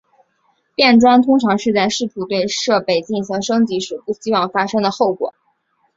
变砖通常是在试图对设备进行升级时不希望发生的后果。